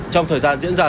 trong thời gian diễn ra